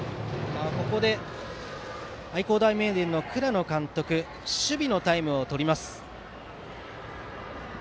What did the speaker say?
ここで愛工大名電の倉野監督守備のタイムをとります。